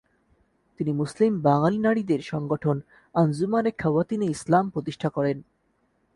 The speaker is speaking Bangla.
তিনি মুসলিম বাঙালি নারীদের সংগঠন আঞ্জুমানে খাওয়াতিনে ইসলাম প্রতিষ্ঠা করেন।